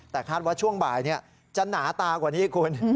แต่คาดว่าช่วงบ่ายจะหนาตากว่านี้คุณ